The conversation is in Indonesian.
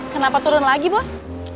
kenapa turun lagi bos